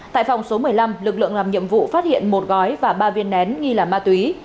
tại phòng số một mươi năm lực lượng làm nhiệm vụ phát hiện một gói và ba viên nén nghi là ma túy